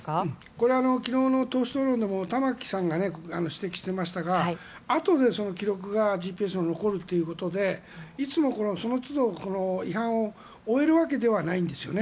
これは昨日の党首討論でも玉木さんが指摘していましたがあとでその記録ＧＰＳが残るということでいつもその都度、違反を追えるわけではないんですよね。